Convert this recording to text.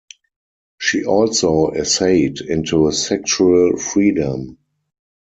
She also essayed into sexual freedom.